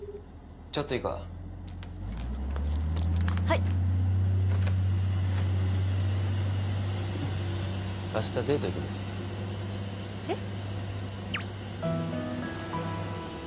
ちょっといいかはい明日デート行くぞえっ？